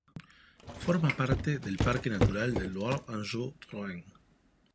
Forma parte del Parque Natural de Loire-Anjou-Touraine.